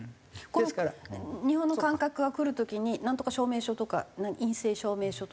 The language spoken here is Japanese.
日本の観客が来る時にナントカ証明書とか陰性証明書とか。